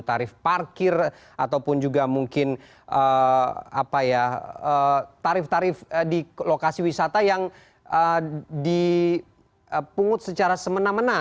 tarif parkir ataupun juga mungkin tarif tarif di lokasi wisata yang dipungut secara semena mena